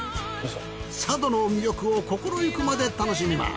佐渡の魅力を心ゆくまで楽しみます。